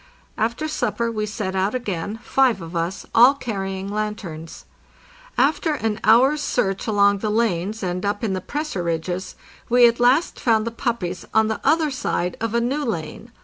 After supper we set out again, five of us, all carrying lanterns. After an hour's search along the lanes and up in the pressure ridges we at last found the puppies on the other side of a new lane.